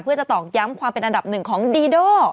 เพื่อจะตอกย้ำความเป็นอันดับหนึ่งของดีโด